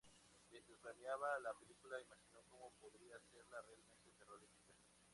Mientras planeaba la película imaginó cómo podría hacerla realmente terrorífica.